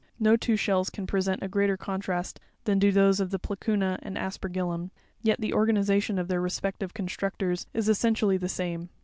No two shells can present a greater con trast than do those of the Placuna and Aspergillum; yet the organization of their respective constructors is essentially the same.